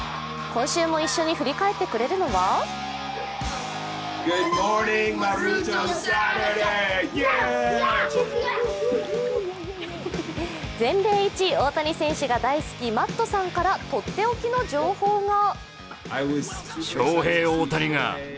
今週も一緒に振り返ってくれるのは全米一大谷選手が大好き・マットさんからとっておきの情報が。